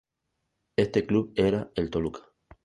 Este club era el Toluca.